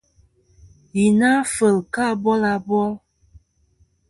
Yì na kfel kɨ abil abol.